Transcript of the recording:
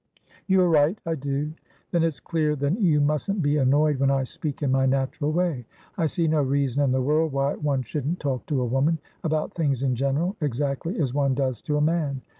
"You are right; I do." "Then it's clear that you mustn't be annoyed when I speak in my natural way. I see no reason in the world why one shouldn't talk to a womanabout things in generalexactly as one does to a man.